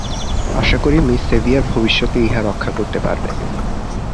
আশা করি Mrs Sevier ভবিষ্যতে ইহা রক্ষা করতে পারবেন।